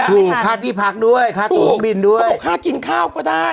ถูกค่าที่พักด้วยค่าตัวบินด้วยค่ากินข้าวก็ได้